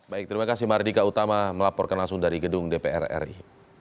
baik terima kasih mardika utama melaporkan langsung dari gedung dpr ri